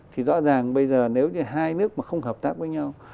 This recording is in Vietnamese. thì rõ ràng bây giờ nếu như hai nước mà không hợp tác với nhau